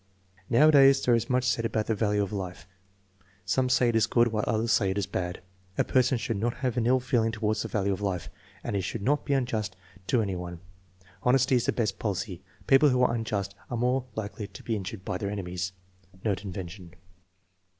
"Nowadays there is much said about the value of life. Some say it is good, while others say it is bad. A person should not have an ill feeling toward the value of life, and he should not be unjust to any one. Honesty is the best policy. People who are unjust are more likely to be injured by their enemies." (Note invention.)